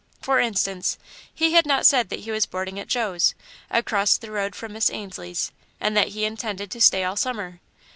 For instance, he had not said that he was boarding at Joe's, across the road from Miss Ainslie's, and that he intended to stay all Summer.